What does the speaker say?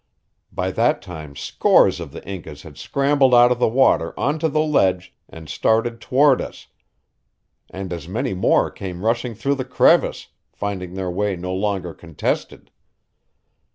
By that time scores of the Incas had scrambled out of the water onto the ledge and started toward us, and as many more came rushing through the crevice, finding their way no longer contested.